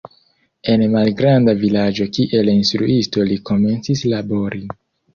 En malgranda vilaĝo kiel instruisto li komencis labori.